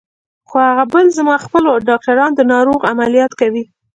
خو هغه بل زما خپل و، ډاکټران د ناروغ عملیات کوي.